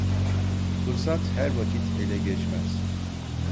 Fırsat her vakit ele geçmez.